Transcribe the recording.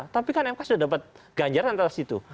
tapi kan mk sudah dapat ganjaran atas situ